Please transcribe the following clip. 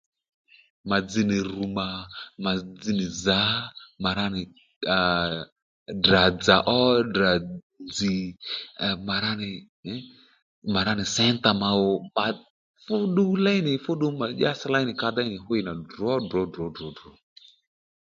Mà dzz nì rù mà mà dzz nì zǎ mà rà nì à à Ddrà-dzà ó Ddrà nzz̀ mà ra nì mà ra nì sénta mà ò fú ddu léy nì fú ddu mà dyási léy nì ka déy nì hwî nà drǒ drǒ drǒ